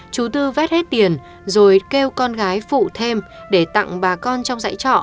chú tư vét hết tiền rồi kêu con gái phụ thêm để tặng bà con trong dãy trọ